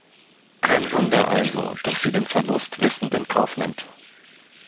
Kein Wunder also, dass sie den Verlust wissend in Kauf nimmt.